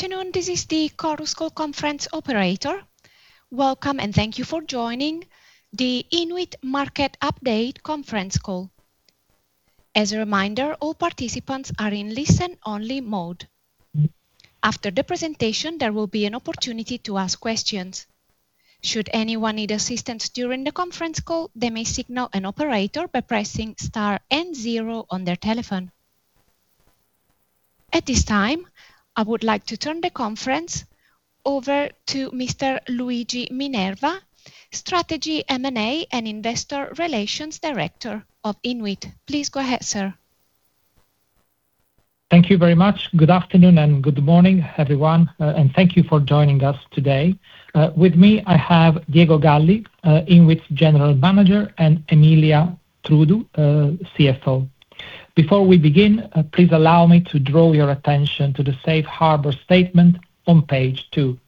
Afternoon, this is the Chorus Call conference operator. Welcome, and thank you for joining the INWIT Market Update conference call. As a reminder, all participants are in listen-only mode. After the presentation, there will be an opportunity to ask questions. Should anyone need assistance during the conference call, they may signal an operator by pressing star and zero on their telephone. At this time, I would like to turn the conference over to Mr. Luigi Minerva, Strategy, M&A & Investor Relations Director of INWIT. Please go ahead, sir. Thank you very much. Good afternoon and good morning, everyone, and thank you for joining us today. With me, I have Diego Galli, INWIT general Manager, and Emilia Trudu, CFO. Before we begin, please allow me to draw your attention to the safe harbor statement on page 2.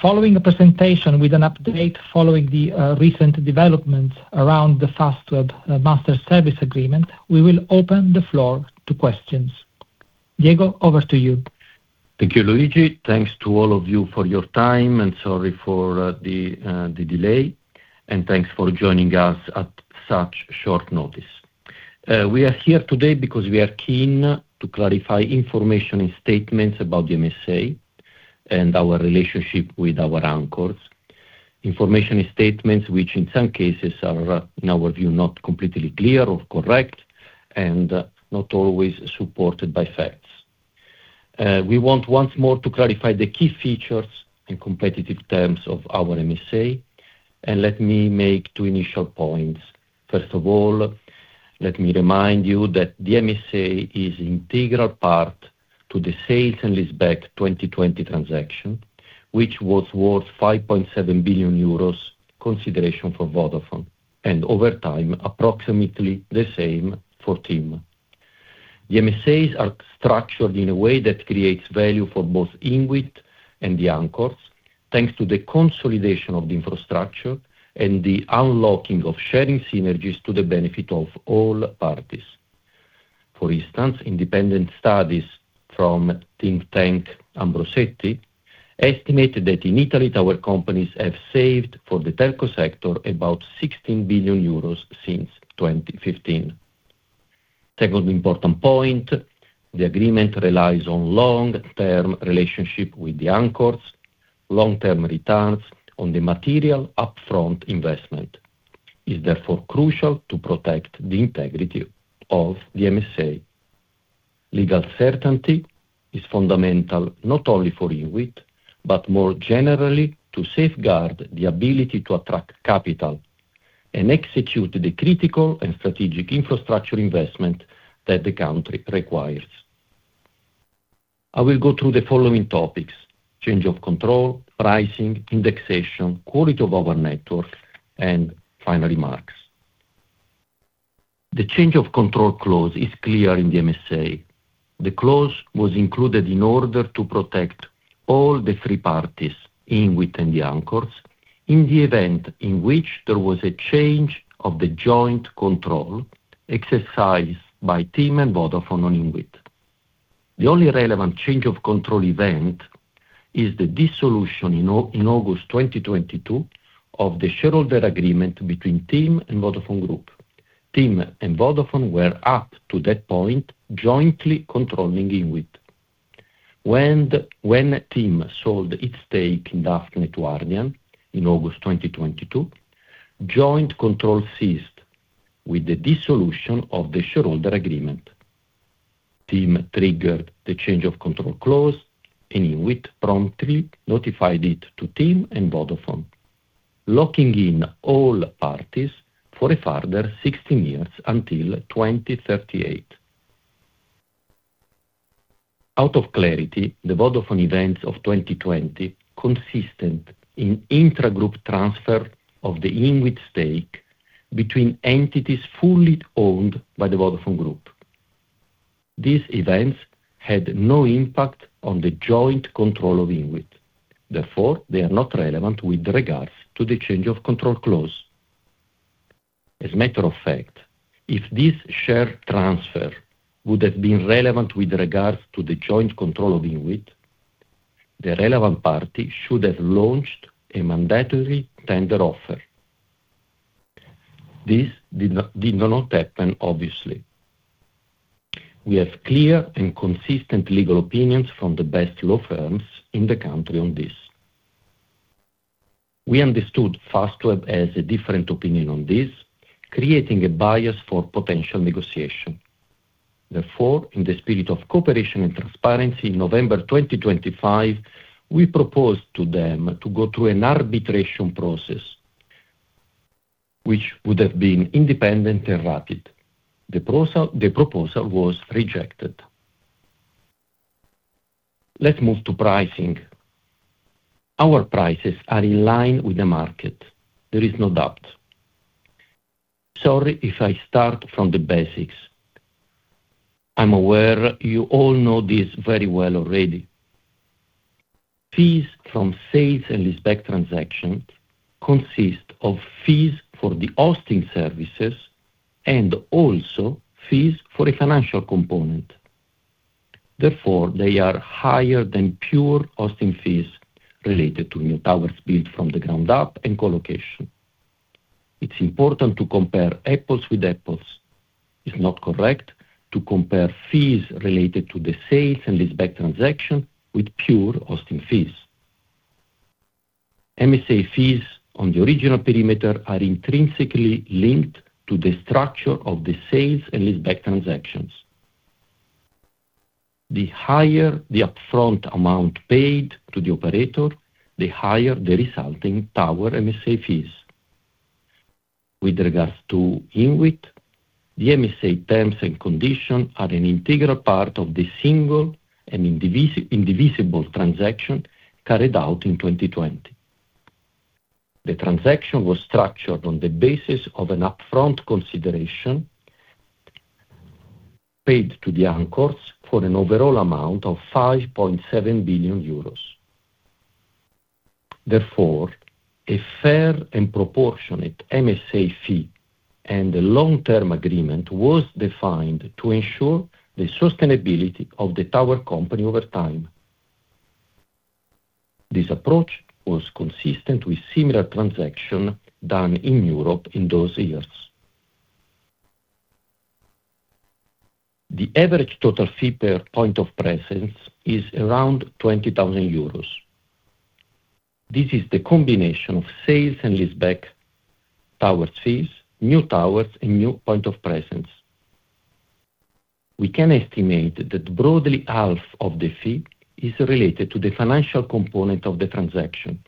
Following a presentation with an update following the recent developments around the Fastweb master service agreement, we will open the floor to questions. Diego, over to you. Thank you, Luigi. Thanks to all of you for your time and sorry for the delay, and thanks for joining us at such short notice. We are here today because we are keen to clarify information and statements about the MSA and our relationship with our anchors. Information and statements, which in some cases are, in our view, not completely clear or correct and not always supported by facts. We want once more to clarify the key features and competitive terms of our MSA, and let me make two initial points. First of all, let me remind you that the MSA is integral part to the sale and leaseback 2020 transaction, which was worth 5.7 billion euros consideration for Vodafone, and over time, approximately the same for TIM. The MSAs are structured in a way that creates value for both INWIT and the anchors, thanks to the consolidation of the infrastructure and the unlocking of sharing synergies to the benefit of all parties. For instance, independent studies from think tank Ambrosetti estimated that in Italy, tower companies have saved for the telco sector about 16 billion euros since 2015. Second important point, the agreement relies on long-term relationship with the anchors. Long-term returns on the material upfront investment is therefore crucial to protect the integrity of the MSA. Legal certainty is fundamental not only for INWIT, but more generally to safeguard the ability to attract capital and execute the critical and strategic infrastructure investment that the country requires. I will go through the following topics. Change of control, pricing, indexation, quality of our network, and final remarks. The change of control clause is clear in the MSA. The clause was included in order to protect all the three parties, INWIT and the anchors, in the event in which there was a change of the joint control exercised by TIM and Vodafone on INWIT. The only relevant change of control event is the dissolution in August 2022 of the shareholder agreement between TIM and Vodafone Group. TIM and Vodafone were up to that point jointly controlling INWIT. When TIM sold its stake in Daphne 3 to Ardian in August 2022, joint control ceased with the dissolution of the shareholder agreement. TIM triggered the change of control clause, and INWIT promptly notified it to TIM and Vodafone, locking in all parties for a further 16 years until 2038. For clarity, the Vodafone events of 2020 consisted in intragroup transfer of the INWIT stake between entities fully owned by the Vodafone Group. These events had no impact on the joint control of INWIT, therefore, they are not relevant with regards to the change of control clause. As a matter of fact, if this share transfer would have been relevant with regards to the joint control of INWIT, the relevant party should have launched a mandatory tender offer. This did not happen obviously. We have clear and consistent legal opinions from the best law firms in the country on this. We understood Fastweb has a different opinion on this, creating a bias for potential negotiation. Therefore, in the spirit of cooperation and transparency, in November 2025, we proposed to them to go through an arbitration process which would have been independent and rapid. The proposal was rejected. Let's move to pricing. Our prices are in line with the market, there is no doubt. Sorry if I start from the basics. I'm aware you all know this very well already. Fees from sales and leaseback transactions consist of fees for the hosting services and also fees for a financial component. Therefore, they are higher than pure hosting fees related to new towers built from the ground up and co-location. It's important to compare apples with apples. It's not correct to compare fees related to the sales and leaseback transaction with pure hosting fees. MSA fees on the original perimeter are intrinsically linked to the structure of the sales and leaseback transactions. The higher the upfront amount paid to the operator, the higher the resulting tower MSA fees. With regards to INWIT, the MSA terms and conditions are an integral part of the single and indivisible transaction carried out in 2020. The transaction was structured on the basis of an upfront consideration paid to the anchors for an overall amount of 5.7 billion euros. Therefore, a fair and proportionate MSA fee and a long-term agreement was defined to ensure the sustainability of the tower company over time. This approach was consistent with similar transaction done in Europe in those years. The average total fee per point of presence is around 20,000 euros. This is the combination of sale and leaseback tower fees, new towers, and new point of presence. We can estimate that broadly half of the fee is related to the financial component of the transaction,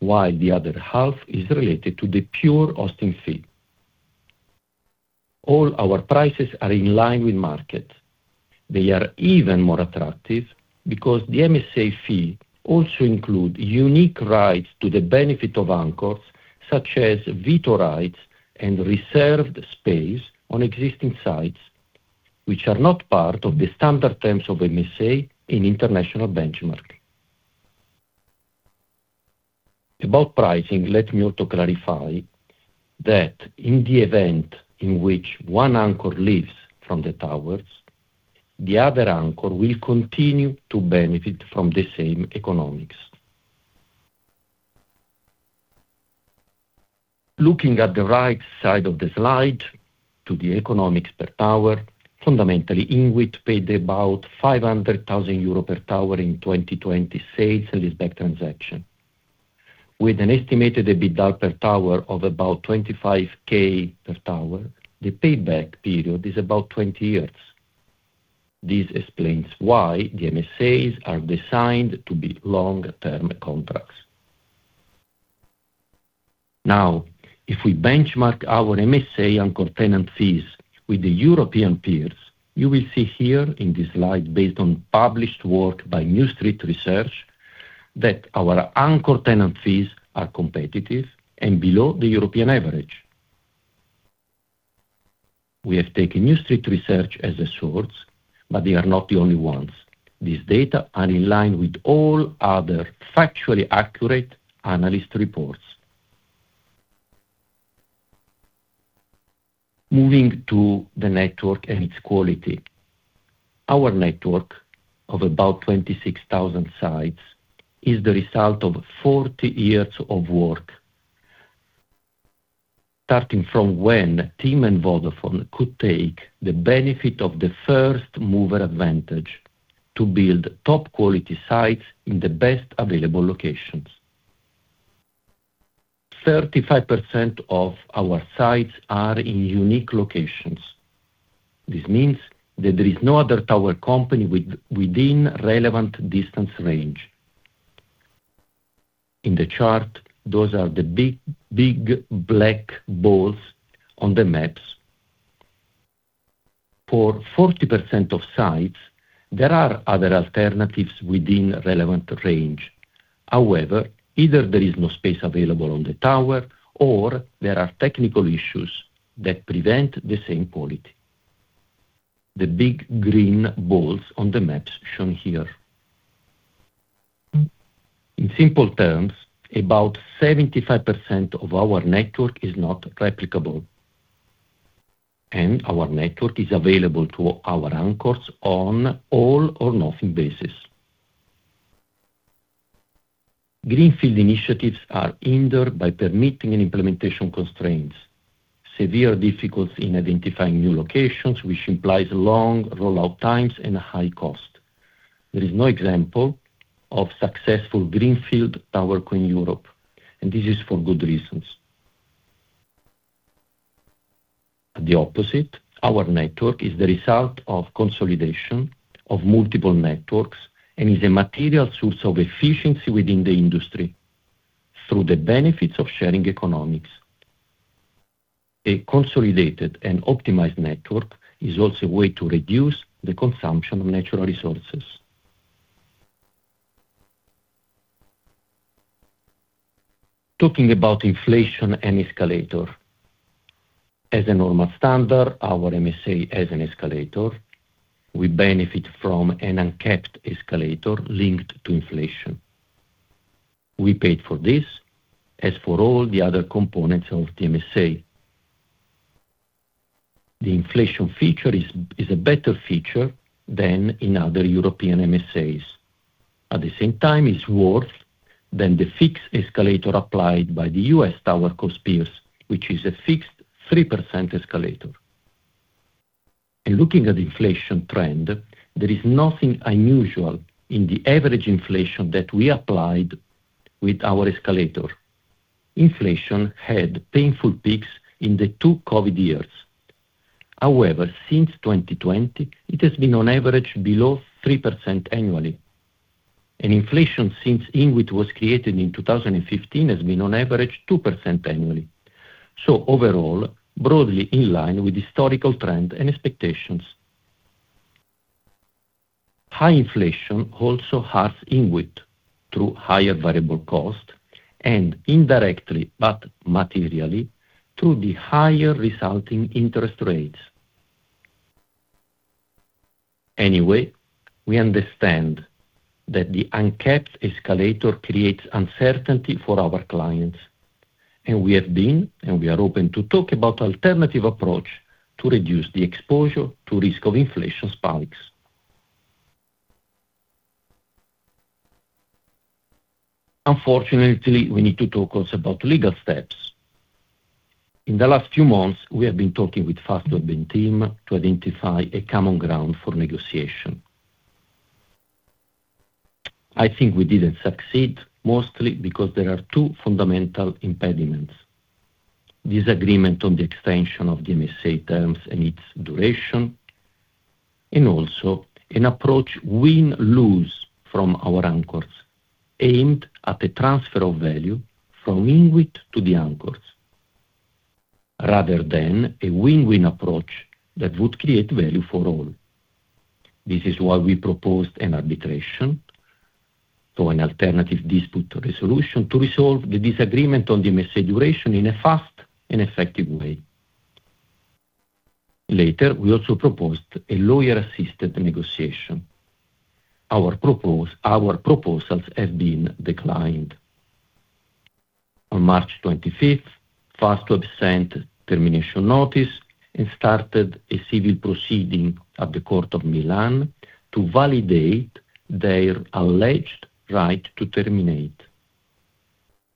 while the other half is related to the pure hosting fee. All our prices are in line with market. They are even more attractive because the MSA fee also include unique rights to the benefit of anchors, such as veto rights and reserved space on existing sites, which are not part of the standard terms of MSA in international benchmark. About pricing, let me also clarify that in the event in which one anchor leaves from the towers, the other anchor will continue to benefit from the same economics. Looking at the right side of the slide to the economics per tower, fundamentally, INWIT paid about 500,000 euro per tower in 2020 sale and leaseback transaction. With an estimated EBITDA per tower of about 25,000 per tower, the payback period is about 20 years. This explains why the MSAs are designed to be long-term contracts. Now, if we benchmark our MSA anchor tenant fees with the European peers, you will see here in this slide, based on published work by New Street Research, that our anchor tenant fees are competitive and below the European average. We have taken New Street Research as a source, but they are not the only ones. These data are in line with all other factually accurate analyst reports. Moving to the network and its quality. Our network of about 26,000 sites is the result of 40 years of work. Starting from when TIM and Vodafone could take the benefit of the first-mover advantage to build top-quality sites in the best available locations. 35% of our sites are in unique locations. This means that there is no other tower company within relevant distance range. In the chart, those are the big black balls on the maps. For 40% of sites, there are other alternatives within relevant range. However, either there is no space available on the tower or there are technical issues that prevent the same quality. The big green balls on the maps shown here. In simple terms, about 75% of our network is not replicable, and our network is available to our anchors on all or nothing basis. Greenfield initiatives are hindered by permitting and implementation constraints, severe difficulty in identifying new locations, which implies long rollout times and high cost. There is no example of successful greenfield towerco in Europe, and this is for good reasons. At the opposite, our network is the result of consolidation of multiple networks and is a material source of efficiency within the industry through the benefits of sharing economics. A consolidated and optimized network is also a way to reduce the consumption of natural resources. Talking about inflation and escalator. As a normal standard, our MSA has an escalator. We benefit from an uncapped escalator linked to inflation. We paid for this as for all the other components of the MSA. The inflation feature is a better feature than in other European MSAs. At the same time, it's worse than the fixed escalator applied by the U.S. tower co-peers, which is a fixed 3% escalator. In looking at inflation trend, there is nothing unusual in the average inflation that we applied with our escalator. Inflation had painful peaks in the two COVID years. However, since 2020, it has been on average below 3% annually, and inflation since INWIT was created in 2015 has been on average 2% annually. Overall, broadly in line with historical trend and expectations. High inflation also hurts INWIT through higher variable cost and indirectly, but materially, through the higher resulting interest rates. Anyway, we understand that the uncapped escalator creates uncertainty for our clients, and we have been, and we are open to talk about alternative approach to reduce the exposure to risk of inflation spikes. Unfortunately, we need to talk also about legal steps. In the last few months, we have been talking with Fastweb team to identify a common ground for negotiation. I think we didn't succeed, mostly because there are two fundamental impediments: disagreement on the extension of the MSA terms and its duration, and also an approach win-lose from our anchors aimed at a transfer of value from INWIT to the anchors, rather than a win-win approach that would create value for all. This is why we proposed an arbitration, so an alternative dispute resolution to resolve the disagreement on the MSA duration in a fast and effective way. Later, we also proposed a lawyer-assisted negotiation. Our proposals have been declined. On March 25th, Fastweb sent termination notice and started a civil proceeding at the Court of Milan to validate their alleged right to terminate.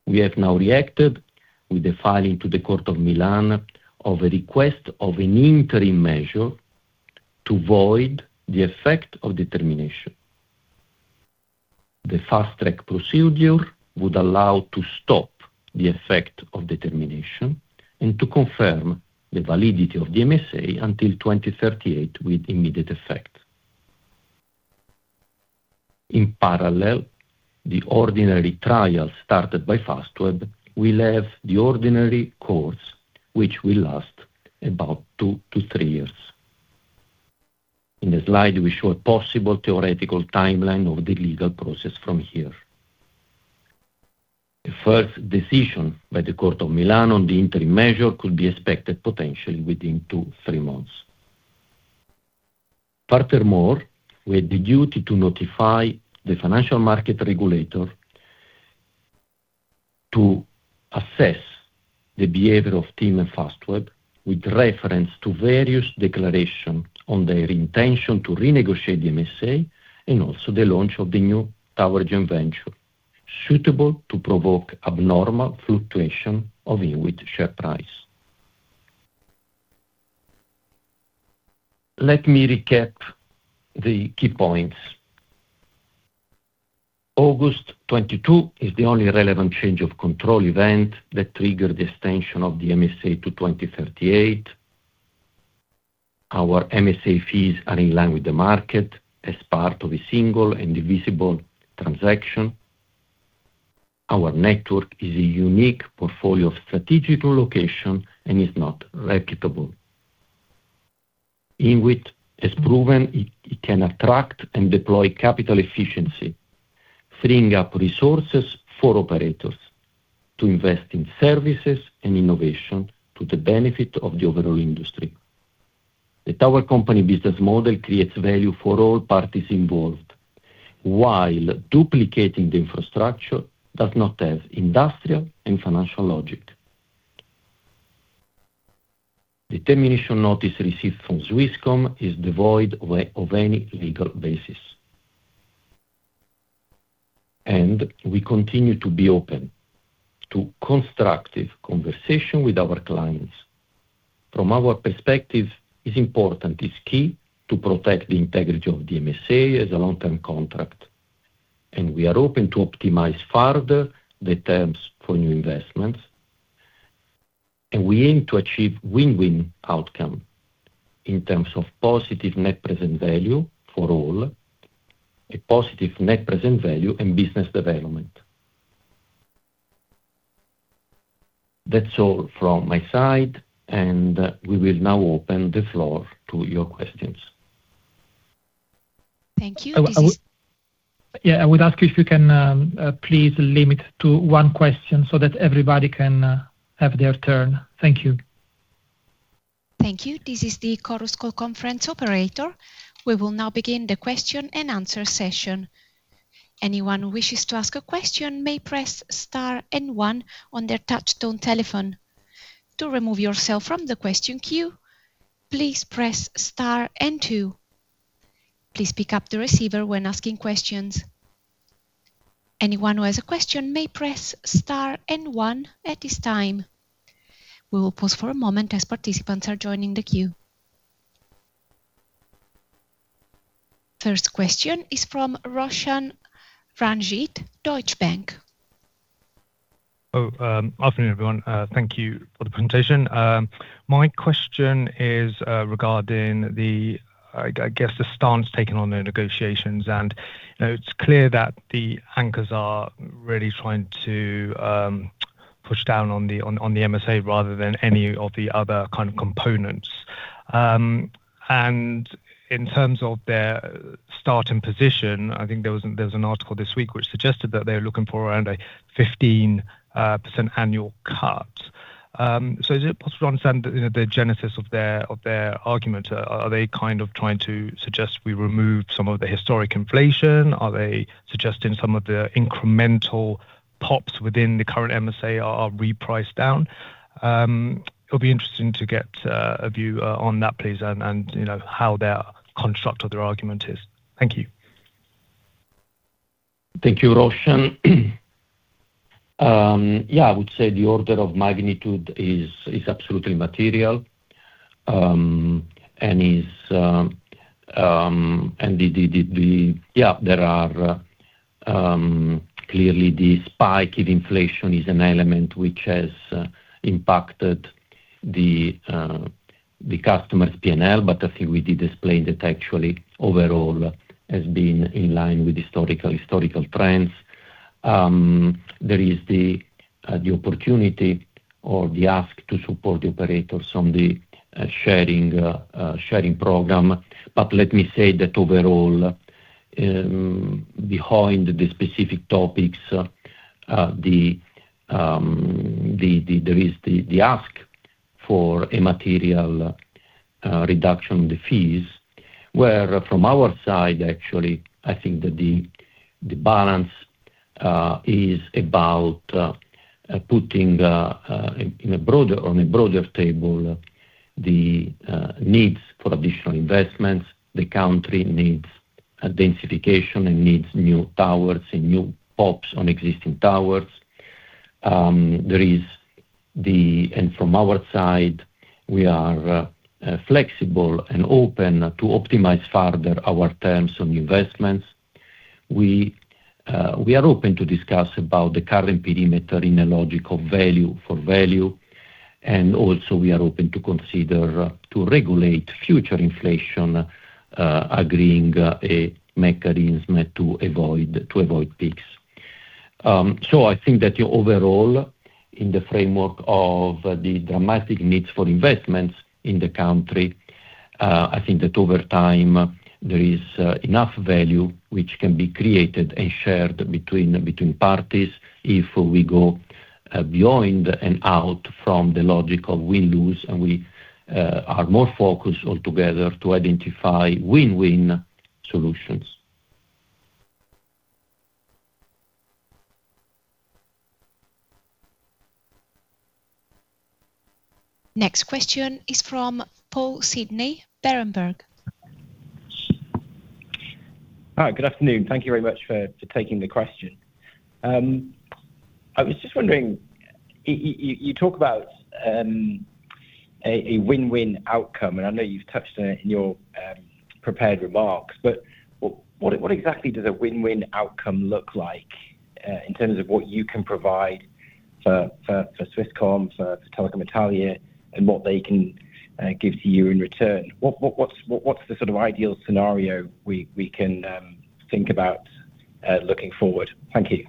We have now reacted with the filing to the Court of Milan of a request of an interim measure to void the effect of the termination. The fast-track procedure would allow to stop the effect of the termination and to confirm the validity of the MSA until 2038 with immediate effect. In parallel, the ordinary trial started by Fastweb will have the ordinary course, which will last about two to three years. In the slide, we show a possible theoretical timeline of the legal process from here. The first decision by the Court of Milan on the interim measure could be expected potentially within two to three months. Furthermore, we have the duty to notify the financial market regulator to assess the behavior of TIM and Fastweb with reference to various declarations on their intention to renegotiate the MSA and also the launch of the new tower joint venture suitable to provoke abnormal fluctuation of INWIT share price. Let me recap the key points. August 2022 is the only relevant change of control event that triggered the extension of the MSA to 2038. Our MSA fees are in line with the market as part of a single and divisible transaction. Our network is a unique portfolio of strategic locations and is not replicable. INWIT has proven it can attract and deploy capital efficiency, freeing up resources for operators to invest in services and innovation to the benefit of the overall industry. The tower company business model creates value for all parties involved, while duplicating the infrastructure does not have industrial and financial logic. The termination notice received from Swisscom is devoid of any legal basis. We continue to be open to constructive conversation with our clients. From our perspective, it's important, it's key to protect the integrity of the MSA as a long-term contract, and we are open to optimize further the terms for new investments, and we aim to achieve win-win outcome in terms of positive net present value for all, a positive net present value and business development. That's all from my side, and we will now open the floor to your questions. Thank you. Yeah, I would ask you if you can please limit to one question so that everybody can have their turn. Thank you. Thank you. This is the Chorus Call conference operator. We will now begin the question-and-answer session. Anyone who wishes to ask a question may press star and one on their touchtone telephone. To remove yourself from the question queue, please press star and two. Please pick up the receiver when asking questions. Anyone who has a question may press star and one at this time. We will pause for a moment as participants are joining the queue. First question is from Roshan Ranjit, Deutsche Bank. Afternoon, everyone. Thank you for the presentation. My question is regarding, I guess, the stance taken on the negotiations. It's clear that the anchors are really trying to push down on the MSA rather than any of the other kind of components. In terms of their starting position, I think there was an article this week which suggested that they're looking for around a 15% annual cut. Is it possible to understand, you know, the genesis of their argument? Are they kind of trying to suggest we remove some of the historic inflation? Are they suggesting some of the incremental PoPs within the current MSA are repriced down? It'll be interesting to get a view on that, please. You know how their construct of their argument is. Thank you. Thank you, Roshan. Yeah, I would say the order of magnitude is absolutely material. There are clearly the spike of inflation is an element which has impacted the customer's P&L. But I think we did explain that actually overall has been in line with historical trends. There is the opportunity or the ask to support the operators on the sharing program. But let me say that overall, behind the specific topics, there is the ask for a material reduction on the fees. Where from our side, actually, I think that the balance is about putting on a broader table the needs for additional investments. The country needs densification and needs new towers and new pops on existing towers. From our side, we are flexible and open to optimize further our terms on investments. We are open to discuss about the current perimeter in a logic of value for value, and also we are open to consider to regulate future inflation, agreeing a mechanism to avoid peaks. I think that overall, in the framework of the dramatic needs for investments in the country, I think that over time there is enough value which can be created and shared between parties if we go beyond and out from the logic of win-lose, and we are more focused all together to identify win-win solutions. Next question is from Paul Sidney, Berenberg. Hi, Good afternoon. Thank you very much for taking the question. I was just wondering, you talk about a win-win outcome, and I know you've touched on it in your prepared remarks. What exactly does a win-win outcome look like in terms of what you can provide for Swisscom, for Telecom Italia, and what they can give to you in return? What's the sort of ideal scenario we can think about looking forward? Thank you.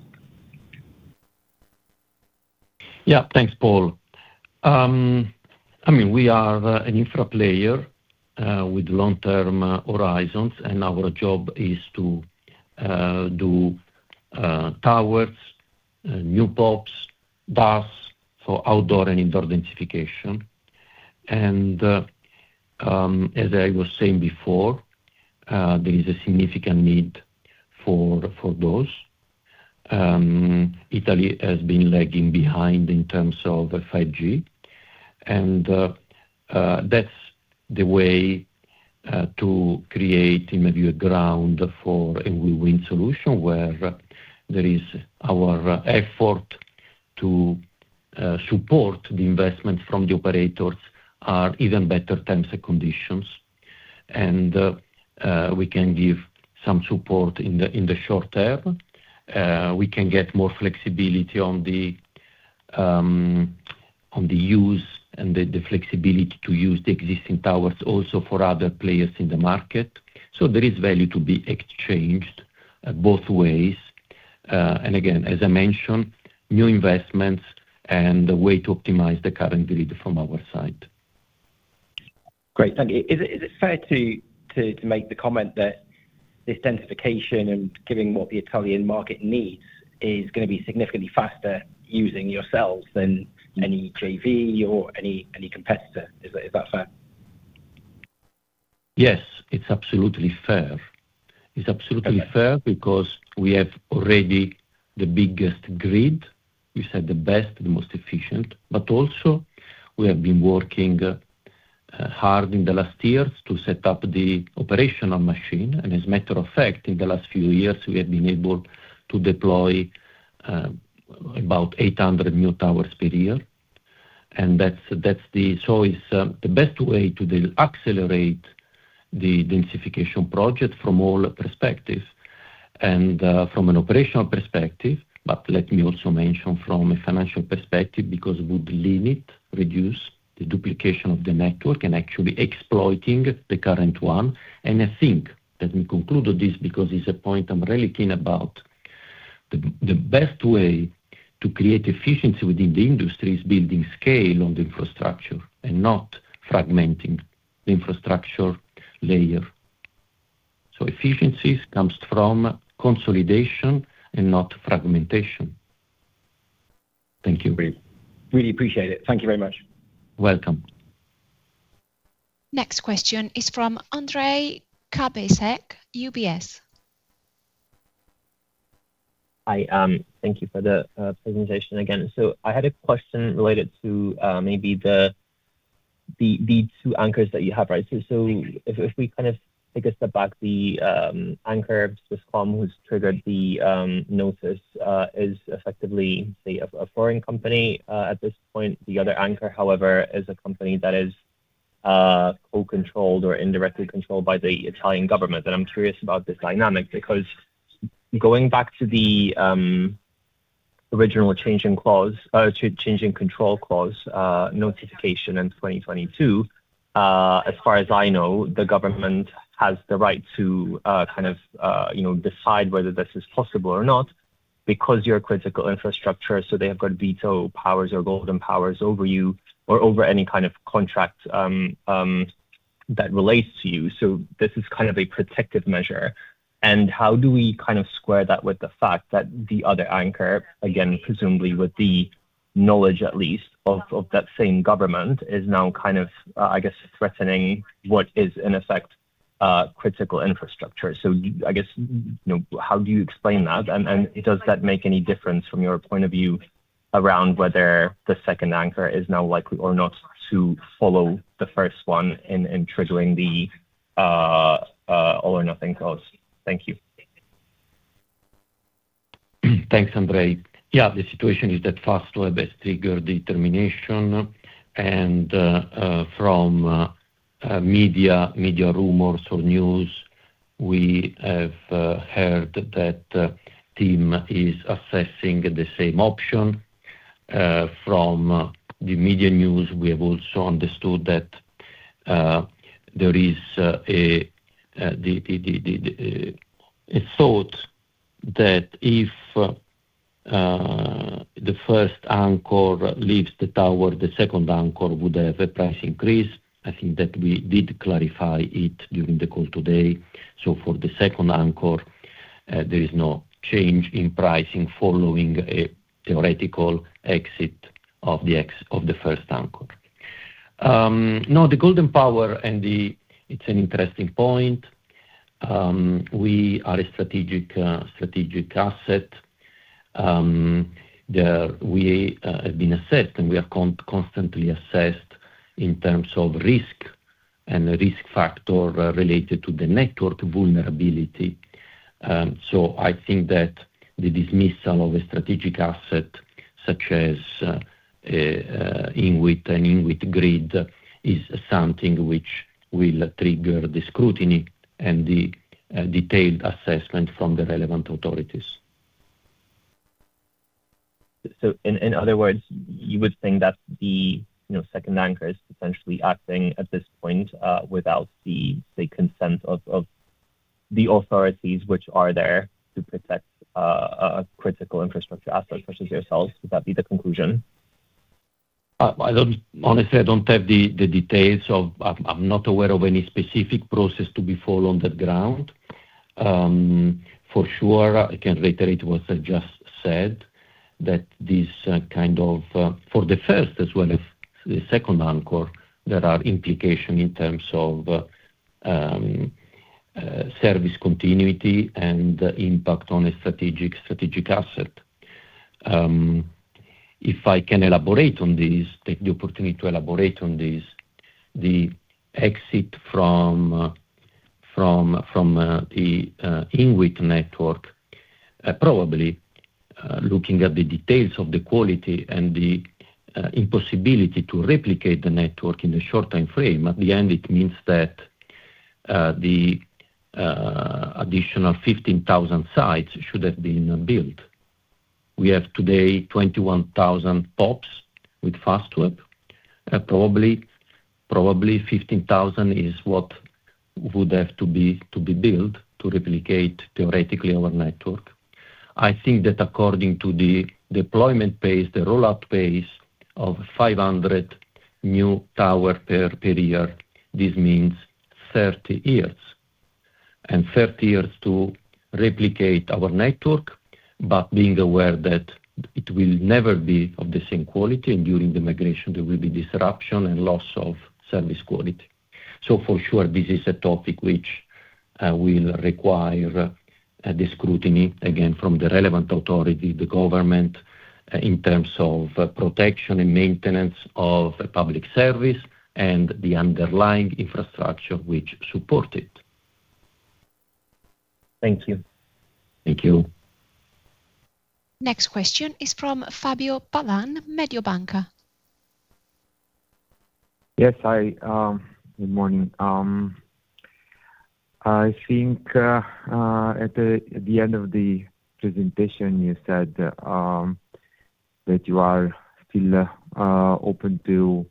Yeah. Thanks, Paul. I mean, we are an infra player with long-term horizons, and our job is to do towers, new pops, DAS for outdoor and indoor densification. As I was saying before, there is a significant need for those. Italy has been lagging behind in terms of 5G, and that's the way to create maybe a ground for a win-win solution, where there is our effort to support the investment from the operators on even better terms and conditions. We can give some support in the short term. We can get more flexibility on the use and the flexibility to use the existing towers also for other players in the market. So there is value to be exchanged both ways. Again, as I mentioned, new investments and the way to optimize the current grid from our side. Great. Thank you. Is it fair to make the comment that this densification and giving what the Italian market needs is gonna be significantly faster using yourselves than any JV or any competitor? Is that fair? Yes, it's absolutely fair. Okay. It's absolutely fair because we have already the biggest grid. We said the best, the most efficient, but also we have been working hard in the last years to set up the operational machine. As a matter of fact, in the last few years, we have been able to deploy about 800 new towers per year. That's the best way to accelerate the densification project from all perspectives and from an operational perspective. But let me also mention from a financial perspective, because it would limit, reduce the duplication of the network and actually exploiting the current one. I think, let me conclude this because it's a point I'm really keen about, the best way to create efficiency within the industry is building scale on the infrastructure and not fragmenting the infrastructure layer. Efficiencies comes from consolidation and not fragmentation. Thank you. Great. Really appreciate it. Thank you very much. Welcome. Next question is from Ondrej Cabejsek, UBS. Hi. Thank you for the presentation again. I had a question related to maybe the two anchors that you have, right? If we kind of take a step back, the anchor, Swisscom, who's triggered the notice, is effectively, say, a foreign company at this point. The other anchor, however, is a company that is co-controlled or indirectly controlled by the Italian government. I'm curious about this dynamic because going back to the original changing control clause notification in 2022, as far as I know, the government has the right to kind of you know decide whether this is possible or not because you're critical infrastructure, so they have got veto powers or Golden Power over you or over any kind of contract that relates to you. This is kind of a protective measure. How do we kind of square that with the fact that the other anchor, again, presumably with the knowledge at least of that same government, is now kind of I guess threatening what is in effect critical infrastructure. I guess you know how do you explain that? Does that make any difference from your point of view around whether the second anchor is now likely or not to follow the first one in triggering the all or nothing clause? Thank you. Thanks, Ondrej. Yeah. The situation is that Fastweb has triggered the termination and from media rumors or news, we have heard that TIM is assessing the same option. From the media news, we have also understood that there is a thought that if the first anchor leaves the tower, the second anchor would have a price increase. I think that we did clarify it during the call today. For the second anchor, there is no change in pricing following a theoretical exit of the first anchor. Now the Golden Power and the. It's an interesting point. We are a strategic asset. We have been assessed and we are constantly assessed in terms of risk and the risk factor related to the network vulnerability. I think that the dismissal of a strategic asset such as INWIT and INWIT grid is something which will trigger the scrutiny and the detailed assessment from the relevant authorities. In other words, you would think that the you know second anchor is essentially acting at this point without the consent of the authorities which are there to protect a critical infrastructure asset such as yourselves. Would that be the conclusion? Honestly, I don't have the details. I'm not aware of any specific process to be followed on the ground. For sure, I can reiterate what I just said, that this kind of for the first as well as the second anchor, there are implications in terms of service continuity and impact on a strategic asset. If I can elaborate on this, take the opportunity to elaborate on this. The exit from the INWIT network, probably looking at the details of the quality and the impossibility to replicate the network in a short time frame, means that the additional 15,000 sites should have been built. We have today 21,000 towers with Fastweb. Probably 15,000 is what would have to be built to replicate theoretically our network. I think that according to the deployment pace, the rollout pace of 500 new tower per year, this means 30 years and 30 years to replicate our network, but being aware that it will never be of the same quality and during the migration there will be disruption and loss of service quality. For sure this is a topic which will require the scrutiny again from the relevant authority, the government, in terms of protection and maintenance of the public service and the underlying infrastructure which support it. Thank you. Thank you. Next question is from Fabio Pavan, Mediobanca. Yes, Hi. Good morning. I think at the end of the presentation you said that you are still open to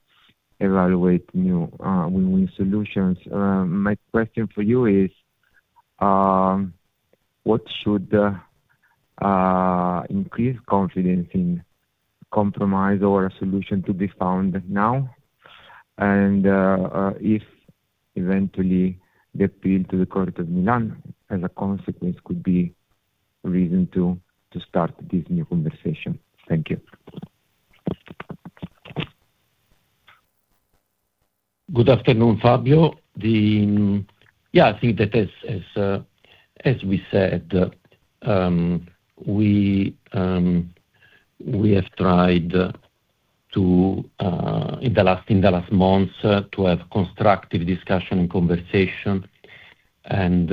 evaluate new win-win solutions. My question for you is what should increase confidence in compromise or a solution to be found now. If eventually the appeal to the Court of Milan as a consequence could be a reason to start this new conversation. Thank you. Good afternoon, Fabio. I think that as we said, we have tried, in the last months, to have constructive discussion and conversation, and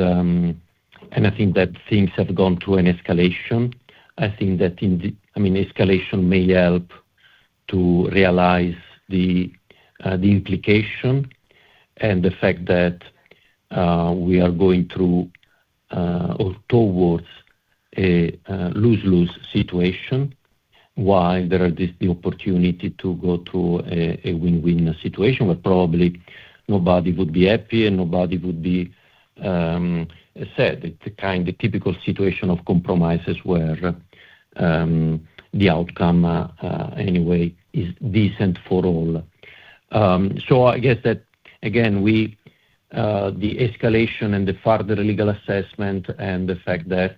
I think that things have gone through an escalation. I think that, I mean, escalation may help to realize the implication and the fact that we are going through or towards a lose-lose situation while there is the opportunity to go to a win-win situation where probably nobody would be happy and nobody would be sad. The typical situation of compromises where the outcome anyway is decent for all. I guess that again, we, the escalation and the further legal assessment and the fact that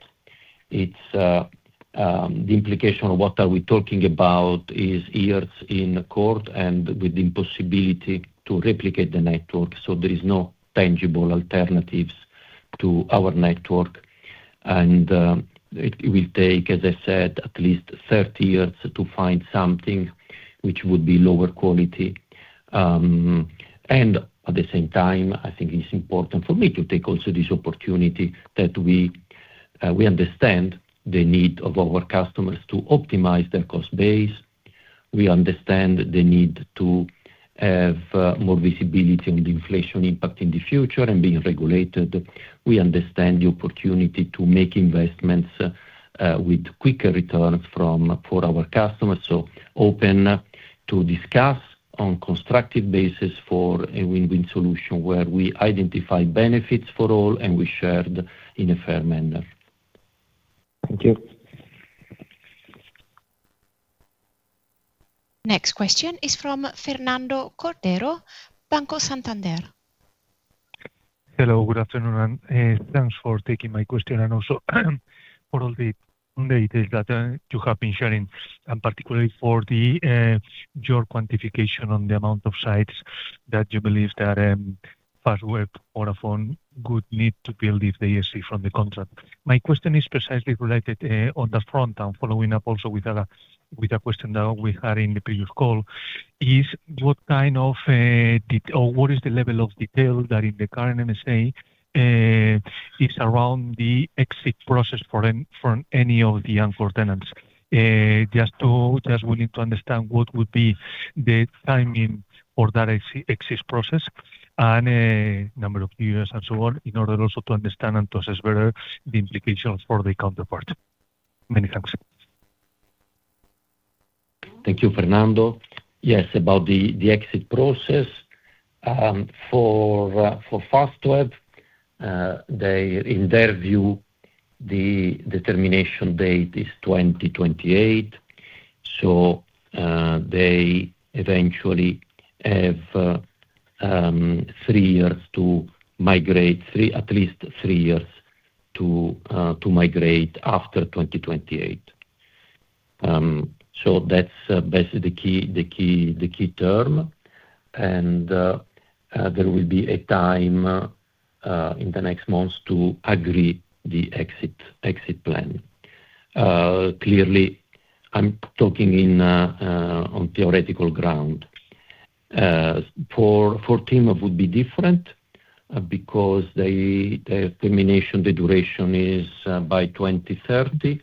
it's, the implication of what are we talking about is years in court and with the impossibility to replicate the network. There is no tangible alternatives to our network. It will take, as I said, at least 30 years to find something which would be lower quality. At the same time, I think it's important for me to take also this opportunity that we understand the need of our customers to optimize their cost base. We understand the need to have, more visibility on the inflation impact in the future and being regulated. We understand the opportunity to make investments with quicker return for our customers, so open to discuss on constructive basis for a win-win solution where we identify benefits for all and we shared in a fair manner. Thank you. Next question is from Fernando Cordero, Banco Santander. Hello, Good afternoon, and thanks for taking my question and also for all the data that you have been sharing, and particularly for your quantification on the amount of sites that you believe that Fastweb or Vodafone would need to build if they exit from the contract. My question is precisely related on the front. I'm following up also with a question that we had in the previous call. Is what kind of or what is the level of detail that in the current MSA is around the exit process for any of the unfloored tenants? Just willing to understand what would be the timing for that exit process and number of years and so on in order also to understand and to assess better the implications for the counterpart. Many thanks. Thank you, Fernando. Yes, about the exit process for Fastweb, they in their view, the determination date is 2028. So, they eventually have three years to migrate, at least three years to migrate after 2028. So that's basically the key term. There will be a time in the next months to agree the exit plan. Clearly I'm talking on a theoretical ground. For TIM would be different, because they, the termination, the duration is by 2030,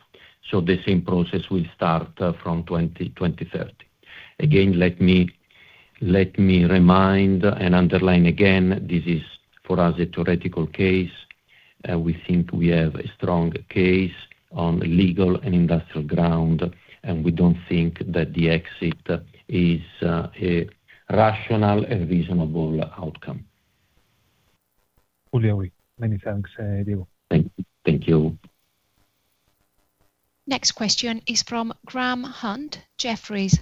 so the same process will start from 2030. Again, let me remind and underline again, this is for us a theoretical case. We think we have a strong case on legal and industrial grounds, and we don't think that the exit is a rational and reasonable outcome. Thank you. Next question is from Graham Hunt, Jefferies.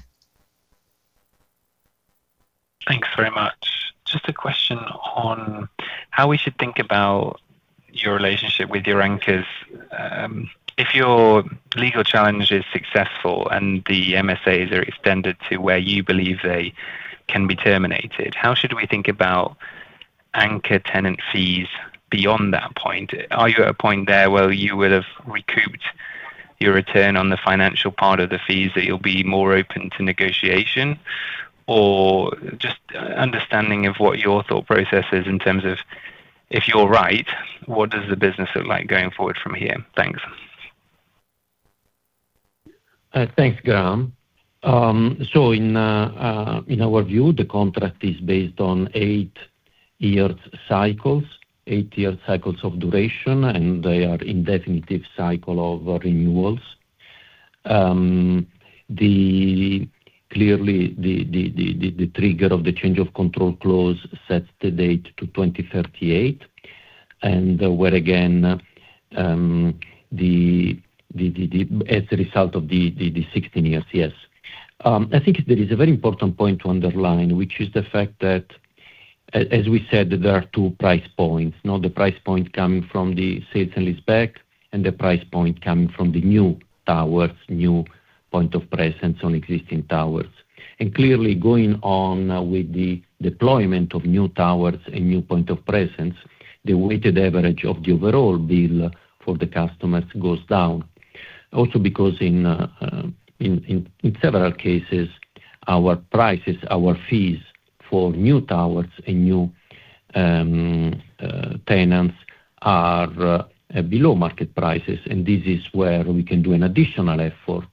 Thanks very much. Just a question on how we should think about your relationship with your anchors. If your legal challenge is successful and the MSAs are extended to where you believe they can be terminated, how should we think about anchor tenant fees beyond that point? Are you at a point there where you would have recouped your return on the financial part of the fees that you'll be more open to negotiation? Or just understanding of what your thought process is in terms of if you're right, what does the business look like going forward from here? Thanks. Thanks, Graham. So in our view, the contract is based on eight year cycles of duration, and they are in definite cycle of renewals. Clearly the trigger of the change of control clause sets the date to 2038. Where, again, as a result of the 16 years, yes. I think there is a very important point to underline, which is the fact that as we said, there are two price points. Now, the price point coming from the sale and leaseback, and the price point coming from the new towers, new point of presence on existing towers. Clearly going on with the deployment of new towers and new point of presence, the weighted average of the overall bill for the customers goes down. Also because in several cases, our prices, our fees for new towers and new tenants are below market prices, and this is where we can do an additional effort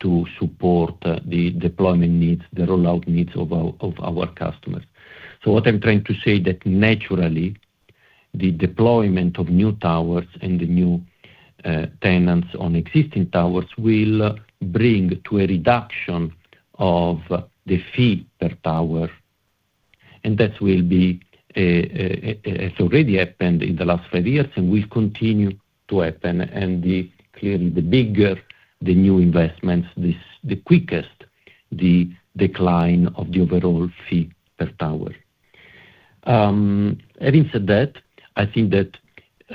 to support the deployment needs, the rollout needs of our customers. What I'm trying to say that naturally, the deployment of new towers and the new tenants on existing towers will bring to a reduction of the fee per tower, and that will be, it's already happened in the last five years and will continue to happen. Clearly the bigger the new investments, this the quickest the decline of the overall fee per tower. Having said that, I think that we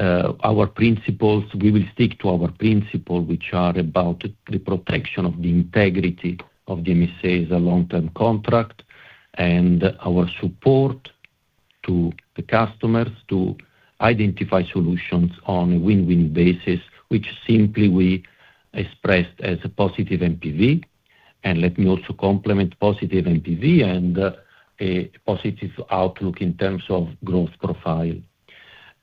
will stick to our principles, which are about the protection of the integrity of the MSAs, a long-term contract, and our support to the customers to identify solutions on a win-win basis, which simply we expressed as a positive NPV. Let me also complement positive NPV and a positive outlook in terms of growth profile.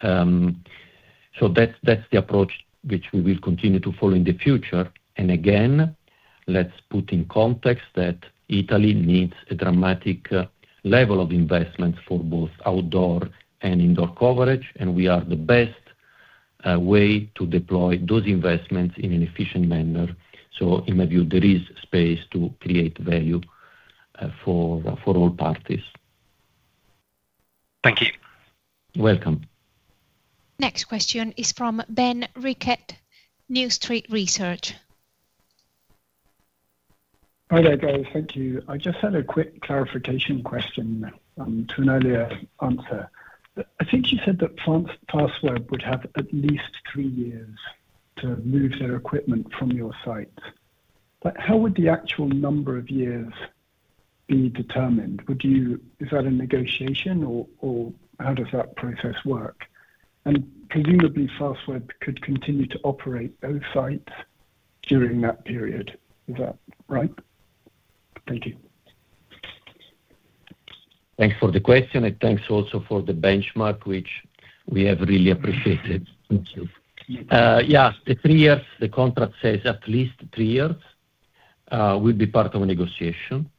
That's the approach which we will continue to follow in the future. Again, let's put in context that Italy needs a dramatic level of investment for both outdoor and indoor coverage, and we are the best way to deploy those investments in an efficient manner. In my view, there is space to create value for all parties. Thank you. You're welcome. Next question is from Ben Ricketts, New Street Research. Hi there, guys. Thank you. I just had a quick clarification question to an earlier answer. I think you said that Fastweb would have at least three years to move their equipment from your sites. How would the actual number of years be determined? Is that a negotiation or how does that process work? And presumably Fastweb could continue to operate those sites during that period. Is that right? Thank you. Thanks for the question and thanks also for the benchmark, which we have really appreciated. Thank you. Yeah, the three years, the contract says at least three years, will be part of a negotiation.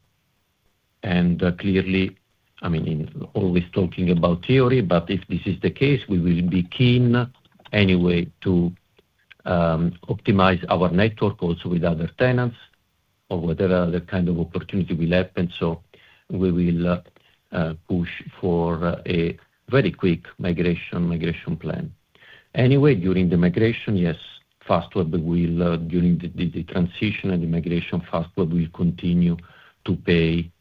Clearly, I mean, always talking about theory, but if this is the case, we will be keen anyway to optimize our network also with other tenants or whatever other kind of opportunity will happen. We will push for a very quick migration plan. Anyway, during the transition and the migration, Fastweb will continue to pay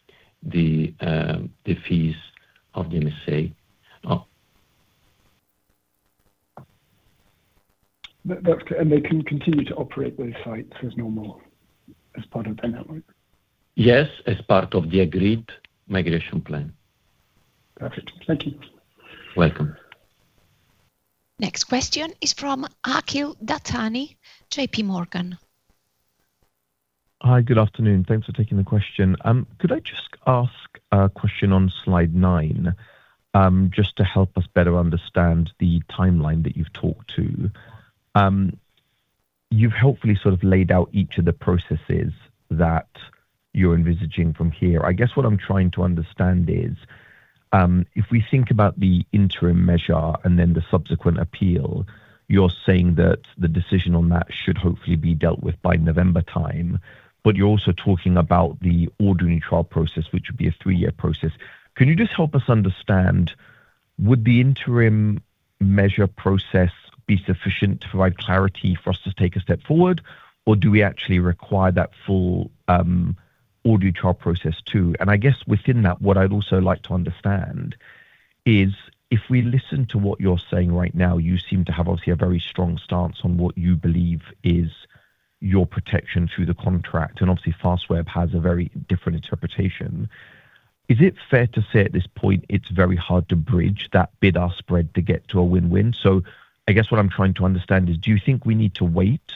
the fees of the MSA. They can continue to operate those sites as normal as part of their network? Yes. As part of the agreed migration plan. Perfect. Thank you. Welcome. Next question is from Akhil Dattani, JPMorgan. Hi. Good afternoon. Thanks for taking the question. Could I just ask a question on Slide 9, just to help us better understand the timeline that you've talked to. You've helpfully sort of laid out each of the processes that you're envisaging from here. I guess what I'm trying to understand is, if we think about the interim measure and then the subsequent appeal, you're saying that the decision on that should hopefully be dealt with by November time. You're also talking about the ordinary trial process, which would be a three-year process. Can you just help us understand? Would the interim measure process be sufficient to provide clarity for us to take a step forward, or do we actually require that full ordinary trial process too? I guess within that, what I'd also like to understand is if we listen to what you're saying right now, you seem to have obviously a very strong stance on what you believe is your protection through the contract, and obviously Fastweb has a very different interpretation. Is it fair to say at this point it's very hard to bridge that bidder spread to get to a win-win? I guess what I'm trying to understand is, do you think we need to wait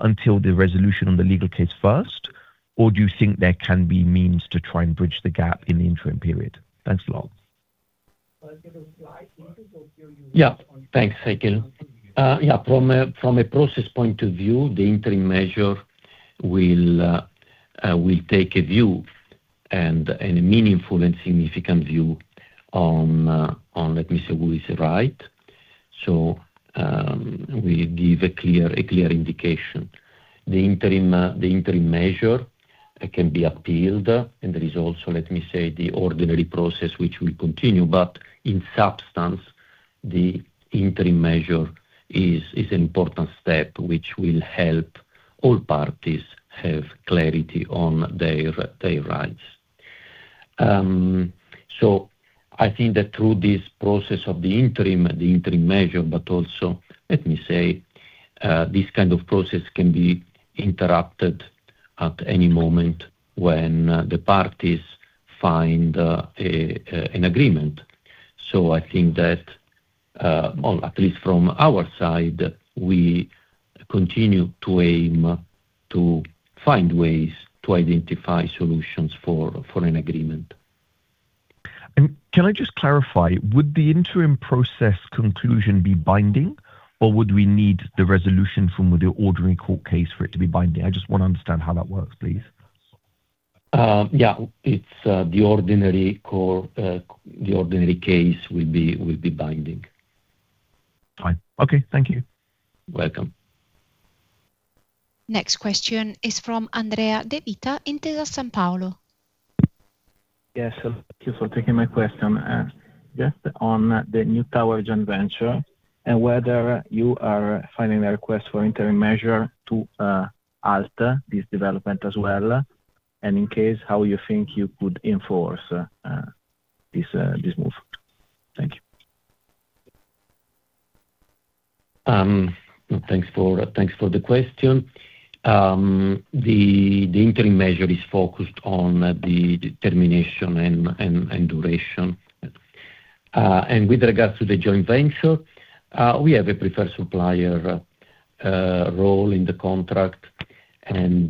until the resolution on the legal case first, or do you think there can be means to try and bridge the gap in the interim period? Thanks a lot. Yeah. Thanks, Akhil. From a process point of view, the interim measure will take a view and a meaningful and significant view on, let me say, who is right. We give a clear indication. The interim measure can be appealed, and there is also, let me say, the ordinary process which will continue. In substance, the interim measure is an important step which will help all parties have clarity on their rights. I think that through this process of the interim measure, but also, let me say, this kind of process can be interrupted at any moment when the parties find an agreement. I think that, or at least from our side, we continue to aim to find ways to identify solutions for an agreement. Can I just clarify, would the interim process conclusion be binding or would we need the resolution from the ordering court case for it to be binding? I just wanna understand how that works, please. Yeah. It's the ordinary court, the ordinary case will be binding. Fine. Okay, thank you. Welcome. Next question is from Andrea Devita, Intesa Sanpaolo. Yes. Thank you for taking my question. Just on the new tower joint venture and whether you are filing a request for interim measure to alter this development as well. In case, how you think you could enforce this move. Thank you. Thanks for the question. The interim measure is focused on the determination and duration. With regards to the joint venture, we have a preferred supplier role in the contract. We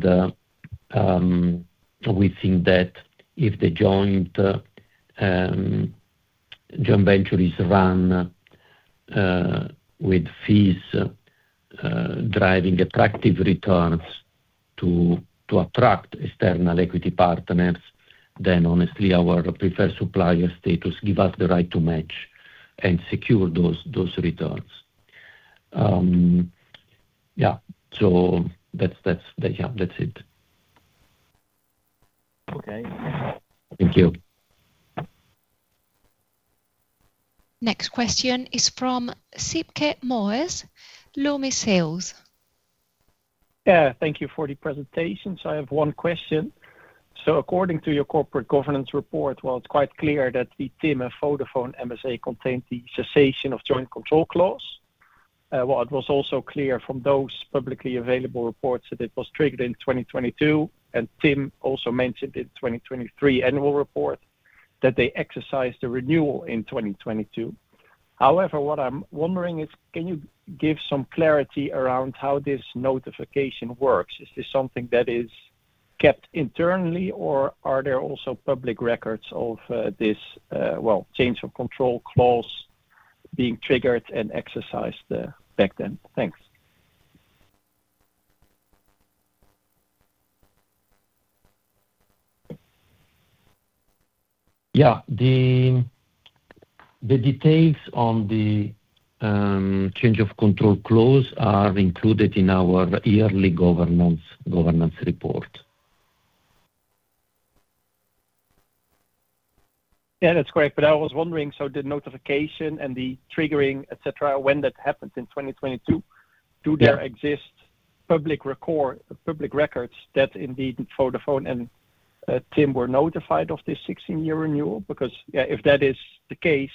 think that if the joint venture is run with fees driving attractive returns to attract external equity partners, then honestly our preferred supplier status give us the right to match and secure those returns. Yeah, that's it. Okay. Thank you. Next question is from Sybke Mares, Luminus. Yeah. Thank you for the presentations. I have one question. According to your corporate governance report, while it's quite clear that the TIM and Vodafone MSA contained the cessation of joint control clause, while it was also clear from those publicly available reports that it was triggered in 2022, and TIM also mentioned in 2023 annual report that they exercised a renewal in 2022. However, what I'm wondering is, can you give some clarity around how this notification works? Is this something that is kept internally or are there also public records of this change of control clause being triggered and exercised back then? Thanks. Yeah. The details on the change of control clause are included in our yearly governance report. Yeah, that's correct. I was wondering, so the notification and the triggering, et cetera, when that happened in 2022. Yeah. Do there exist public records that indeed Vodafone and TIM were notified of this 16-year renewal? Because, yeah, if that is the case,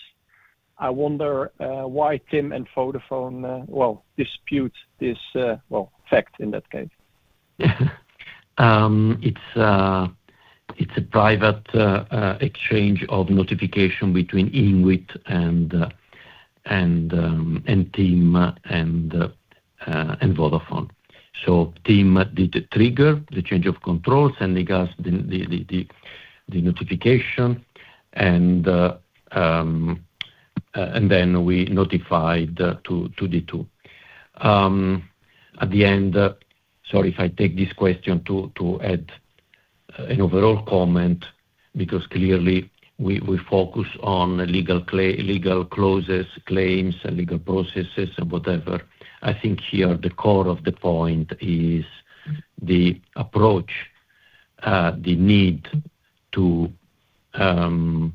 I wonder why TIM and Vodafone well dispute this well fact in that case. It's a private exchange of notification between INWIT and TIM and Vodafone. TIM did trigger the change of control, sending us the notification and then we notified to the two. At the end, sorry if I take this question to add an overall comment because clearly we focus on legal clauses, claims, and legal processes and whatever. I think here the core of the point is the approach, the need to the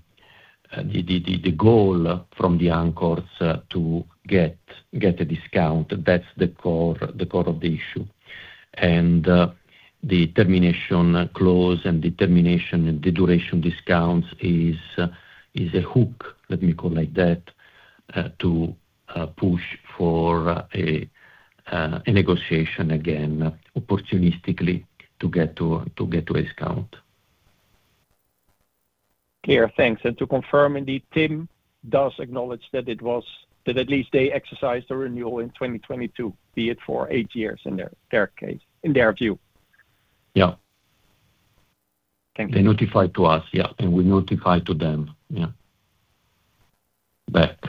goal from the anchors to get a discount, that's the core of the issue. The termination clause and the duration discounts is a hook, let me call like that, to push for a negotiation again, opportunistically to get a discount. Clear. Thanks. To confirm, indeed, TIM does acknowledge that at least they exercised a renewal in 2022, be it for eight years in their case, in their view. Yeah. Thank you. They notified to us, yeah, and we notified to them. Yeah. Back.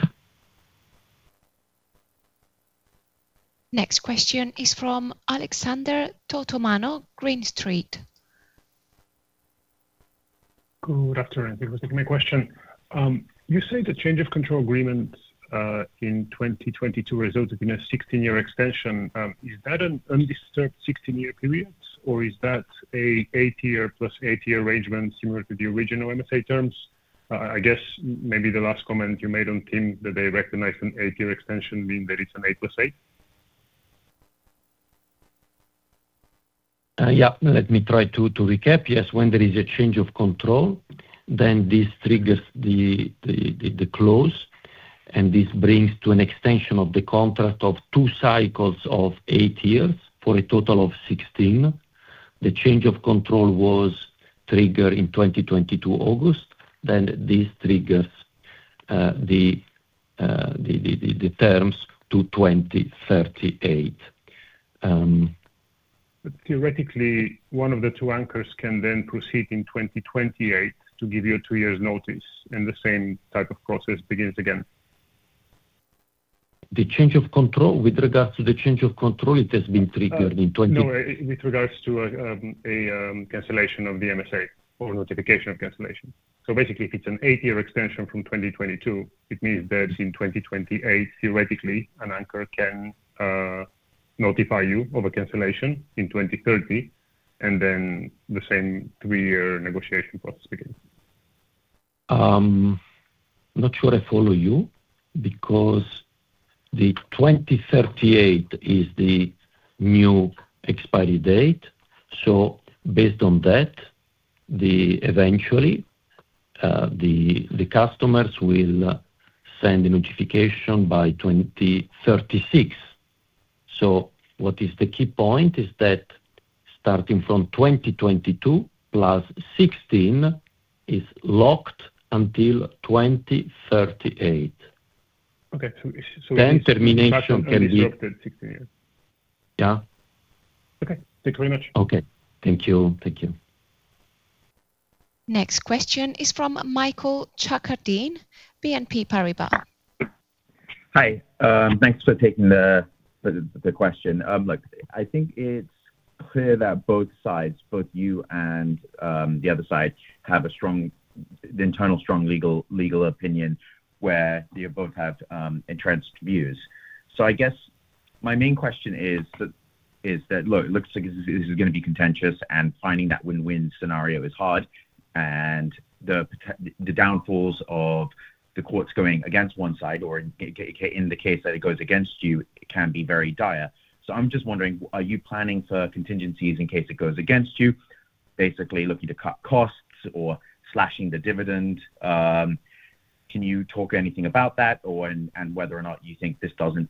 Next question is from Alexander Totomanov, Green Street. Good afternoon. Thanks for taking my question. You say the change of control agreement in 2022 resulted in a 16-year extension. Is that an undisturbed 16-year period or is that a eight year plus eight year arrangement similar to the original MSA terms? I guess maybe the last comment you made on TIM, that they recognize an eight year extension, meaning that it's an eight plus eight. Yeah. Let me try to recap. Yes, when there is a change of control, then this triggers the clause, and this brings to an extension of the contract of two cycles of eight years for a total of 16. The change of control was triggered in August 2022. This triggers the terms to 2038. Theoretically, one of the two anchors can then proceed in 2028 to give you two years notice, and the same type of process begins again. With regards to the change of control, it has been triggered in twenty- No. With regards to a cancellation of the MSA or notification of cancellation. Basically if it's an eight-year extension from 2022, it means that in 2028, theoretically, an anchor can notify you of a cancellation in 2030, and then the same three-year negotiation process begins. I'm not sure I follow you because the 2038 is the new expiry date. Based on that, eventually, the customers will send a notification by 2036. What is the key point is that starting from 2022 plus 16 is locked until 2038. Okay. Termination can be. 16 years. Yeah. Okay. Thank you very much. Okay. Thank you. Thank you. Next question is from Mickael Chakar, BNP Paribas. Hi. Thanks for taking the question. Look, I think it's clear that both sides, you and the other side, have a strong internal legal opinion where you both have entrenched views. I guess my main question is that look, it looks like this is gonna be contentious and finding that win-win scenario is hard, and the downfalls of the courts going against one side or in the case that it goes against you can be very dire. I'm just wondering, are you planning for contingencies in case it goes against you, basically looking to cut costs or slashing the dividend? Can you talk anything about that or and whether or not you think this doesn't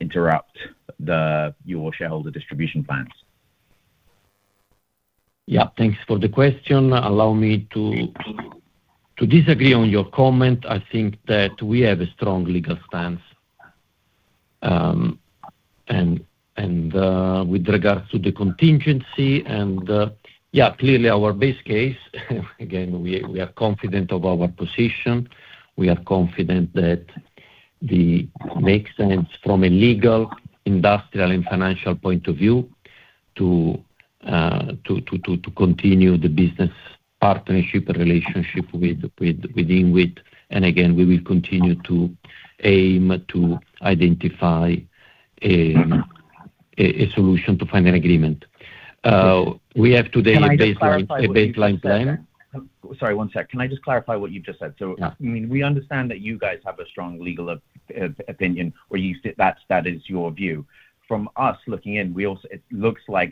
interrupt your shareholder distribution plans? Yeah. Thanks for the question. Allow me to disagree on your comment. I think that we have a strong legal stance, and with regards to the contingency and clearly our base case, again, we are confident of our position. We are confident that it makes sense from a legal industrial and financial point of view to continue the business partnership relationship with INWIT, and again, we will continue to aim to identify a solution to find an agreement. We have today a baseline- Can I just clarify what you just said there? A baseline plan. Sorry, one sec. Can I just clarify what you just said? Yeah. I mean, we understand that you guys have a strong legal opinion. That is your view. From us looking in, it looks like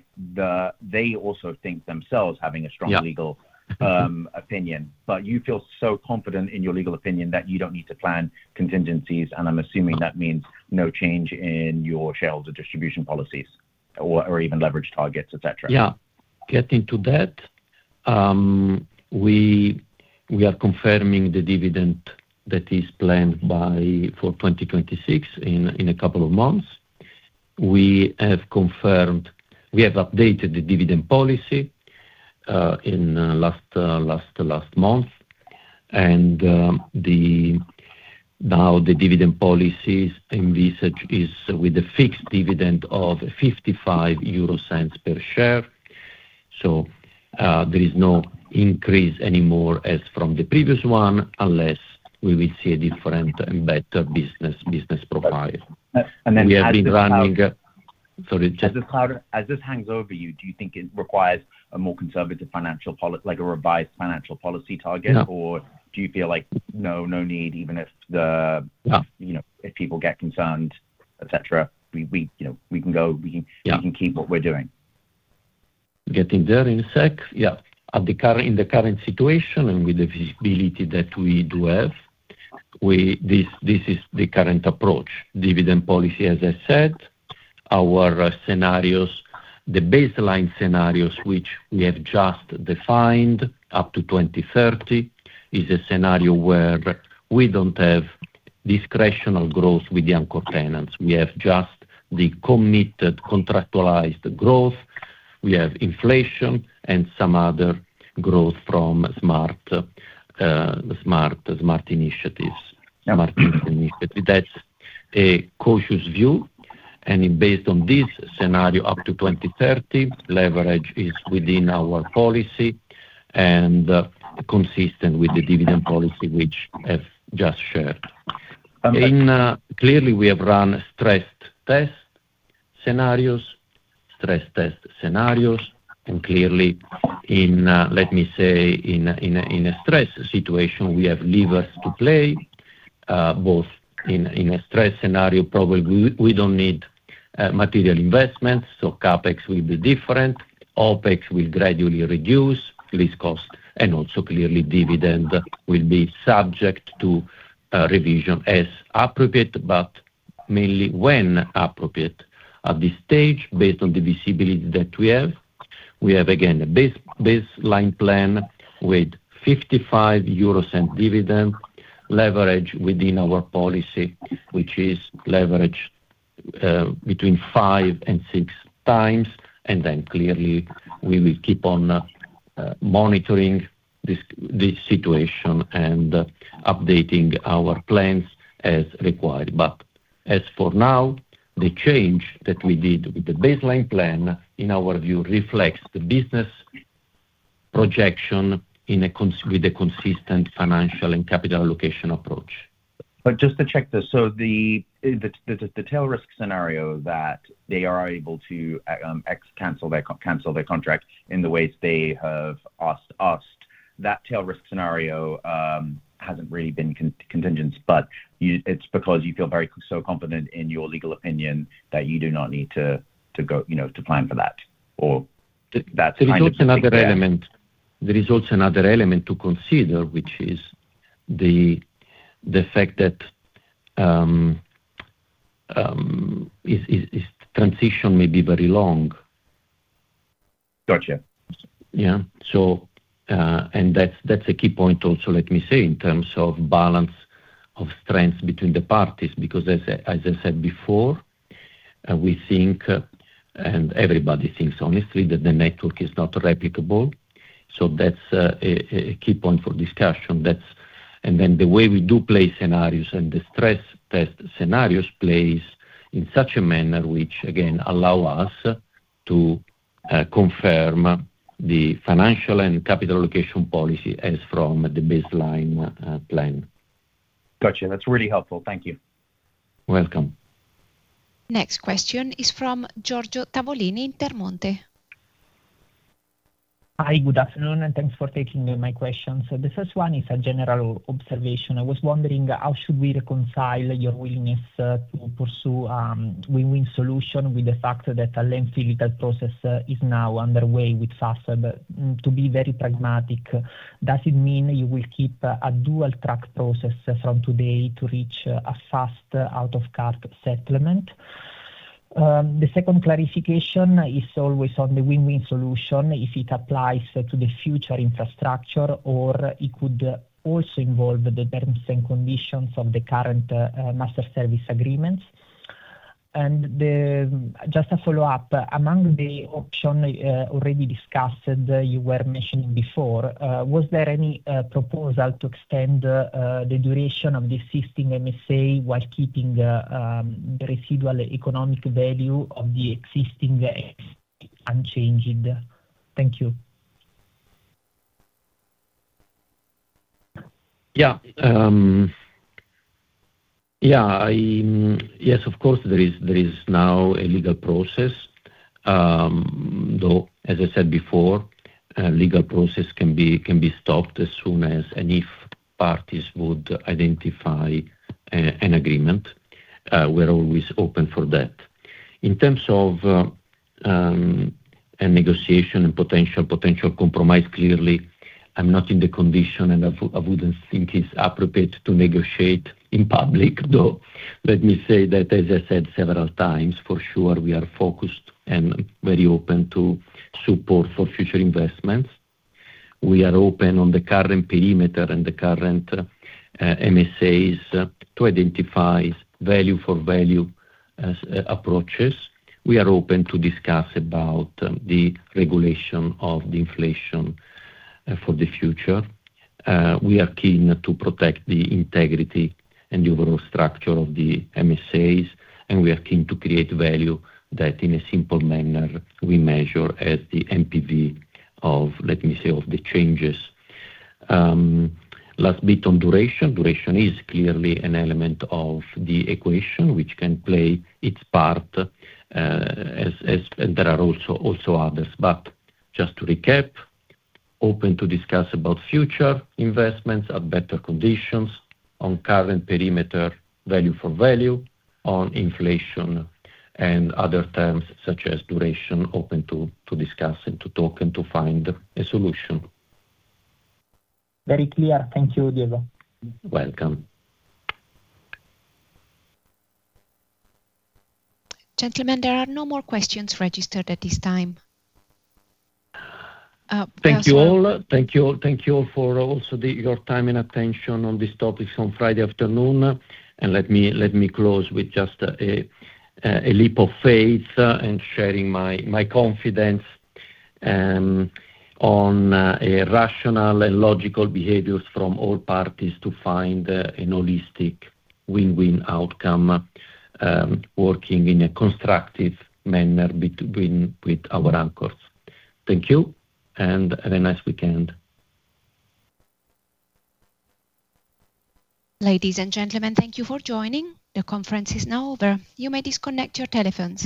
they also think themselves having a strong Yeah. Legal opinion. You feel so confident in your legal opinion that you don't need to plan contingencies, and I'm assuming that means no change in your shareholder distribution policies or even leverage targets, et cetera. Getting to that, we are confirming the dividend that is planned for 2026 in a couple of months. We have updated the dividend policy in last month. Now the dividend policy envisaged is with a fixed dividend of 0.55 per share. There is no increase anymore as from the previous one, unless we will see a different and better business profile. And then as this- Sorry. As this hangs over you, do you think it requires a more conservative financial, like a revised financial policy target? No. Do you feel like no need, even if the- No. You know, if people get concerned, et cetera, you know, we can go. Yeah. We can keep what we're doing. Getting there in a sec. Yeah. In the current situation and with the visibility that we do have, this is the current approach. Dividend policy, as I said, our scenarios, the baseline scenarios, which we have just defined up to 2030, is a scenario where we don't have discretionary growth with the anchor tenants. We have just the committed contractualized growth. We have inflation and some other growth from smart initiatives. Yeah. Smart initiatives. That's a cautious view. Based on this scenario, up to 2030, leverage is within our policy and consistent with the dividend policy which I've just shared. Understood. Clearly we have run stress test scenarios. Clearly in a stress situation, we have levers to play both in a stress scenario. Probably we don't need material investments, so CapEx will be different. OpEx will gradually reduce lease cost, and also clearly dividend will be subject to a revision as appropriate, but mainly when appropriate. At this stage, based on the visibility that we have, we have again a baseline plan with 0.55 euros dividend, leverage within our policy, which is between 5x and 6x, and then clearly we will keep on monitoring this situation and updating our plans as required. As for now, the change that we did with the baseline plan, in our view, reflects the business projection with a consistent financial and capital allocation approach. Just to check this, the tail risk scenario that they are able to cancel their contract in the ways they have asked us, that tail risk scenario hasn't really been contingent, but it's because you feel very confident in your legal opinion that you do not need to go, you know, to plan for that. That's kind of There is also another element to consider, which is the fact that this transition may be very long. Gotcha. Yeah, that's a key point also, let me say, in terms of balance of strengths between the parties, because as I said before, we think, and everybody thinks honestly that the network is not replicable. That's a key point for discussion. The way we deploy scenarios and the stress test scenarios plays in such a manner which again allow us to confirm the financial and capital allocation policy as from the baseline plan. Gotcha. That's really helpful. Thank you. Welcome. Next question is from Giorgio Tavolini, Intermonte. Hi, good afternoon, and thanks for taking my question. The first one is a general observation. I was wondering how we should reconcile your willingness to pursue a win-win solution with the fact that a lengthy legal process is now underway with Fastweb, but to be very pragmatic, does it mean you will keep a dual track process from today to reach a fast out-of-court settlement? The second clarification is always on the win-win solution, if it applies to the future infrastructure or it could also involve the terms and conditions of the current master service agreements. Just a follow-up. Among the options already discussed, you were mentioning before, was there any proposal to extend the duration of the existing MSA while keeping the residual economic value of the existing MSA unchanged? Thank you. Yes, of course there is now a legal process, though, as I said before, a legal process can be stopped as soon as any parties would identify an agreement. We're always open for that. In terms of a negotiation and potential compromise, clearly, I'm not in the condition and I wouldn't think it's appropriate to negotiate in public. Though, let me say that, as I said several times, for sure we are focused and very open to support for future investments. We are open on the current perimeter and the current MSAs to identify value for value as approaches. We are open to discuss about the regulation of the inflation for the future. We are keen to protect the integrity and the overall structure of the MSAs, and we are keen to create value that in a simple manner we measure as the NPV of, let me say, of the changes. Last bit on duration. Duration is clearly an element of the equation which can play its part, and there are also others. Just to recap, open to discuss about future investments at better conditions on current perimeter value for value on inflation and other terms such as duration, open to discuss and to talk and to find a solution. Very clear. Thank you, Diego. Welcome. Gentlemen, there are no more questions registered at this time. Thank you all for your time and attention on these topics on Friday afternoon. Let me close with just a leap of faith and sharing my confidence on a rational and logical behaviors from all parties to find a holistic win-win outcome, working in a constructive manner between with our anchors. Thank you, and have a nice weekend. Ladies and gentlemen, Thank you for joining. The conference is now over. You may disconnect your telephones.